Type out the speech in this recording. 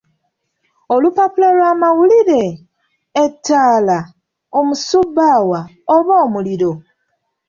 "Olupapula lw’amawulire, ettaala, omusubbaawa oba omuliro?"